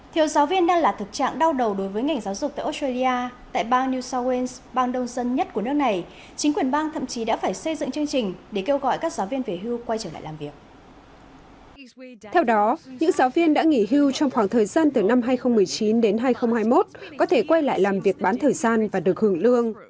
theo đó những giáo viên đã nghỉ hưu trong khoảng thời gian từ năm hai nghìn một mươi chín đến hai nghìn hai mươi một có thể quay lại làm việc bán thời gian và được hưởng lương